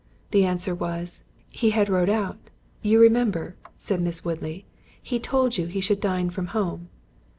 —the answer was—"He had rode out. You remember," said Miss Woodley, "he told you he should dine from home."